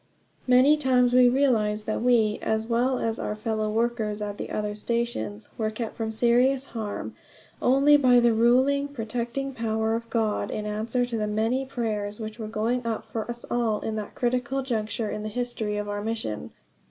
Many times we realized that we, as well as our fellow workers at the other stations, were kept from serious harm only by the over ruling, protecting power of God in answer to the many prayers which were going up for us all at this critical juncture in the history of our mission.